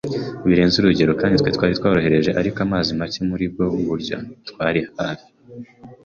birenze urugero, kandi twari twohereje ariko amazi make muribwo buryo. Twari hafi